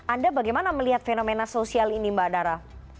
anda bagaimana melihat fenomena sosial ini mbak dara